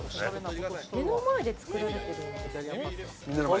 目の前で作ってくれるんですね。